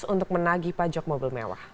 untuk menagi pajak mobil mewah